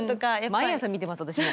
毎朝見てます私も。